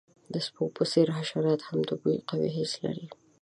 د سپیو په څیر، حشرات هم د بوی قوي حس لري.